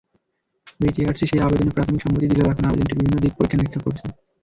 BTRC সেই আবেদনে প্রাথমিক সম্মতি দিলেও এখন আবেদনটির বিভিন্ন দিক পরীক্ষা-নিরীক্ষা করছে।